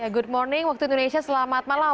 good morning waktu indonesia selamat malam